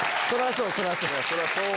そりゃそう！